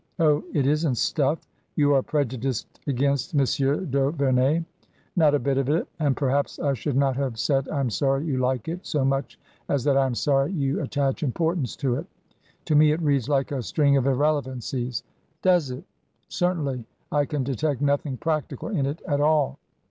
"Oh! it isn't 'stuff.* You are prejudiced against Monsieur d'Auverney." "Not a bit of it. And perhaps I should not have said I am sorry you like it, so much as that I am sorry you attach importance to it. To me it reads like a string of irrelevancies." " Does it ?"" Certainly. I can detect nothing practical in it at all."